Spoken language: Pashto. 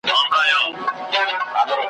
که دا ښار هدیره نه وای که ژوندي پر اوسېدلای ,